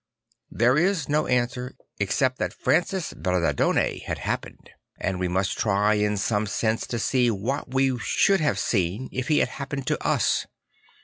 There is no answer except that Francis Bemardone had 'Ihe Little Poor Man 97 ha ppened; and we must try in some sense to see what we should have seen if he had happened to us.